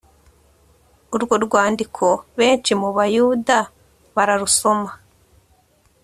urwo rwandiko benshi mu bayuda bararusoma